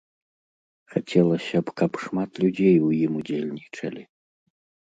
Хацелася б, каб шмат людзей у ім удзельнічалі.